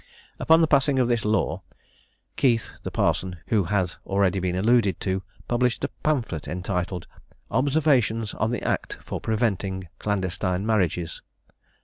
Upon the passing of this law, Keith, the parson who has already been alluded to, published a pamphlet entitled, "Observations on the Act for Preventing Clandestine Marriages."